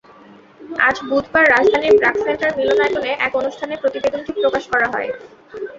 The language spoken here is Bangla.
আজ বুধবার রাজধানীর ব্র্যাক সেন্টার মিলনায়তনে এক অনুষ্ঠানে প্রতিবেদনটি প্রকাশ করা হয়।